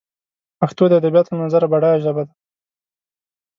پښتو دادبیاتو له نظره بډایه ژبه ده